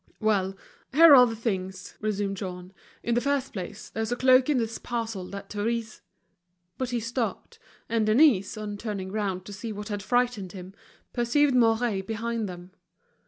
"Well, here are the things," resumed Jean. "In the first place, there's a cloak in this parcel that Therese—" But he stopped, and Denise, on turning round to see what had frightened him, perceived Mouret behind them.